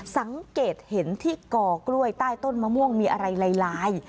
สังเกตเห็นที่ก่อกล้วยใต้ต้นมะม่วงมีอะไรลาย